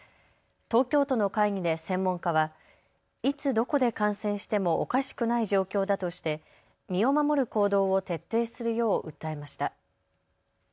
東京都の会議で専門家はいつどこで感染してもおかしくない状況だとして身を守る行動を徹底するよう訴えました。